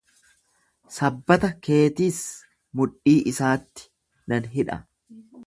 Sabbata keetis mudhii isaatti nan hidha.